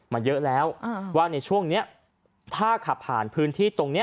มาเยอะแล้วว่าในช่วงนี้ถ้าขับผ่านพื้นที่ตรงนี้